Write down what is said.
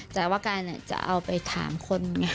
แต่ว่าการจะเอาไปถามคนไง